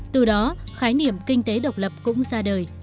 từ đó khái niệm kinh tế độc lập cũng ra đời